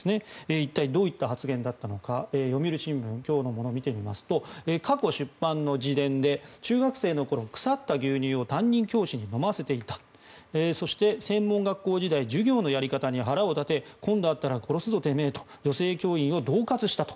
一体どういう発言だったのか今日の読売新聞を見てみますと過去出版の自伝で中学生の頃腐った牛乳を担任教師に飲ませていたそして、専門学校時代授業のやり方に腹を立て今度会ったら殺すぞ、てめえと女性教員をどう喝したと。